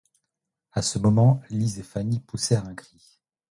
À ce moment, Lise et Fanny poussèrent un cri.